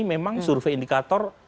memang survei indikator